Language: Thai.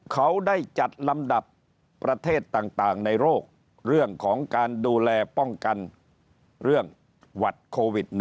เขาได้จัดลำดับประเทศต่างในโรคเรื่องของการดูแลป้องกันเรื่องหวัดโควิด๑๙